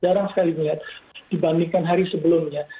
jarang sekali dilihat dibandingkan hari sebelumnya